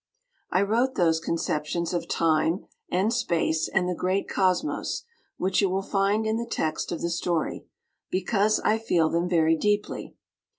I wrote those conceptions of Time and Space and the Great Cosmos, which you will find in the text of the story, because I feel them very deeply.